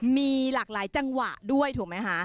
มีหลากหลายจังหวะด้วยถูกไหมคะ